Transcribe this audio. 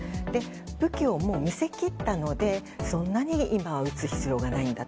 武器を見せ切ったのでそんなに今は撃つ必要がないんだと。